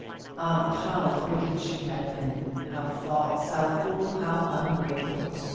Ah, how wicked she had been! how false, how cruel, how ungrateful!